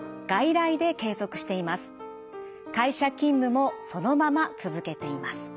会社勤務もそのまま続けています。